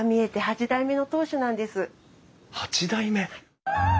八代目！